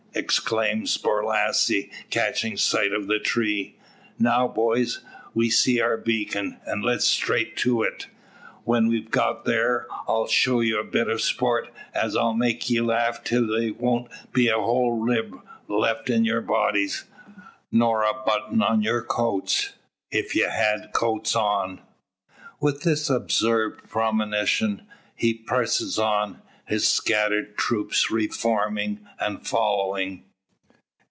exclaims Borlasse, catching sight of the tree, "Now, boys; we see our beacon, an' let's straight to it. When we've got thar I'll show ye a bit of sport as 'll make ye laugh till there wont be a whole rib left in your bodies, nor a button on your coats if ye had coats on." With this absurd premonition he presses on his scattered troop reforming, and following.